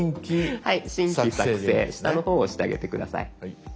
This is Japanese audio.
はい「新規作成」下の方を押してあげて下さい。